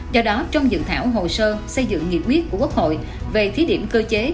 do đó trong dự thảo hồ sơ xây dựng nghiệp quyết của quốc hội về thí điểm cơ chế